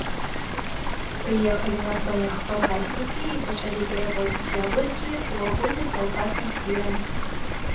Прыехалі на конях калгаснікі і пачалі перавозіць яблыкі ў агульны калгасны свіран.